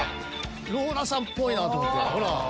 ローラさんっぽいなと思って。